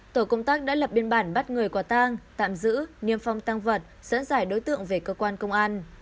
tổ công tác đã lập biên bản bắt người qua tang tạm giữ niêm phong tang vật dẫn dài đối tượng về cơ quan công an